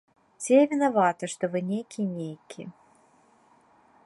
Ці я вінавата, што вы нейкі, нейкі…